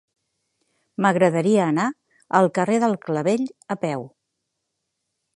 M'agradaria anar al carrer del Clavell a peu.